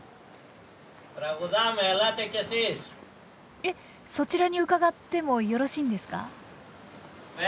えっそちらに伺ってもよろしいんですか？